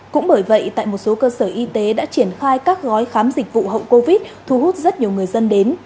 cũng bởi vậy tại một số cơ sở y tế đã triển khai các gói khám dịch vụ hậu covid thu hút rất nhiều người dân đến